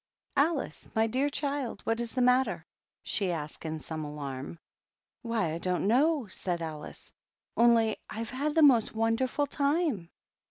"Alice, my dear child, what is the matter?" she asked in some alarm. " Why, I don't know," said Alice, " only I've had the most wonderful time!"